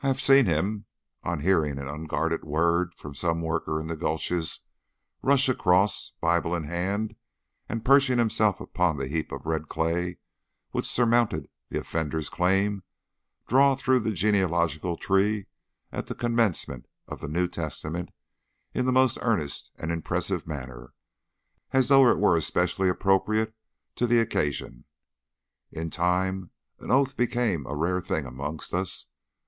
I have seen him, on hearing an unguarded word from some worker in the gulches, rush across, Bible in hand, and perching himself upon the heap of red clay which surmounted the offender's claim, drawl through the genealogical tree at the commencement of the New Testament in a most earnest and impressive manner, as though it were especially appropriate to the occasion. In time, an oath became a rare thing amongst us.